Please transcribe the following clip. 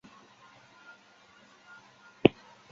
也有人认为美国与此事也有关连。